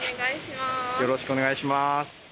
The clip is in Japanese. よろしくお願いします。